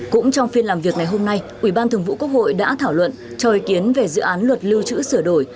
cũng trong phiên làm việc ngày hôm nay ủy ban thường vụ quốc hội đã thảo luận cho ý kiến về dự án luật lưu trữ sửa đổi